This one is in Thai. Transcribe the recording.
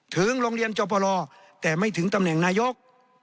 ถึงโรงเรียนจบพลแต่ไม่ถึงตำแหน่งนายก